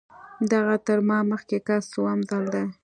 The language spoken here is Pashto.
دغه تر ما مخکې کس څووم ځل دی.